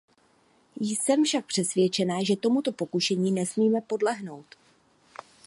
Jsem však přesvědčena, že tomuto pokušení nesmíme podlehnout.